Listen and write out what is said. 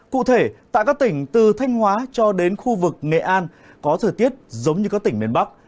cụ thể tại các tỉnh từ thanh hóa cho đến khu vực nghệ an có thời tiết giống như các tỉnh miền bắc